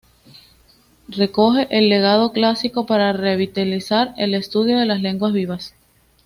Recoge el legado clásico para revitalizar el estudio de las lenguas vivas.